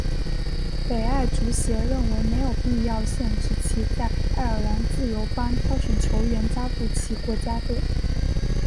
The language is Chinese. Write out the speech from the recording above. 北爱足协认为没有必要限制其在爱尔兰自由邦挑选球员加入其国家队。